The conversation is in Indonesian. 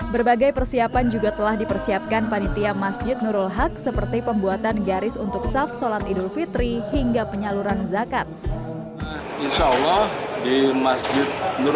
berbagai persiapan juga telah dipersiapkan panitia masjid nurul haq seperti pembuatan garis untuk saf sholat idul fitri hingga penyaluran zakat